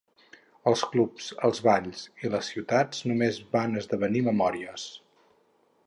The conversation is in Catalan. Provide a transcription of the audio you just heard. Els clubs, els balls i les ciutats només van esdevenir memòries.